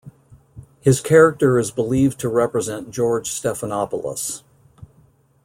His character is believed to represent George Stephanopoulos.